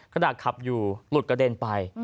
ขณะขับอยู่หลุดกระเด็นไป